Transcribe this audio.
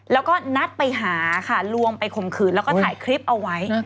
แล้วก็นัดไปหาค่ะลวงไปข่มขืนแล้วก็ถ่ายคลิปเอาไว้